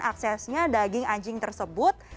aksesnya daging anjing tersebut